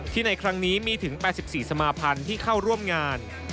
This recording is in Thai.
ในครั้งนี้มีถึง๘๔สมาภัณฑ์ที่เข้าร่วมงาน